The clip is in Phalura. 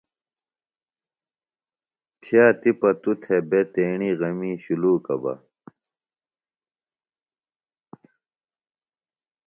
تھیہ تیپہ توۡ تھےۡ بےۡ تیݨی غمیۡ شُلوکہ بہ۔